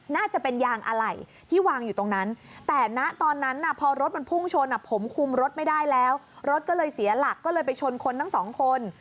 น่าจะเป็นยางอะไหล่ที่วางอยู่ตรงนั้น